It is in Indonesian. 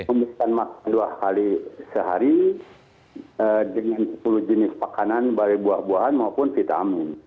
membutuhkan makan dua kali sehari dengan sepuluh jenis makanan baik buah buahan maupun vitamin